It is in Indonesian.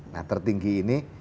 nah tertinggi ini